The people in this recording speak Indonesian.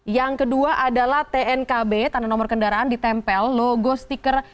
yang kedua adalah tnkb tanda nomor kendaraan ditempel logo stiker